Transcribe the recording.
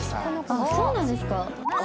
あっそうなんですか？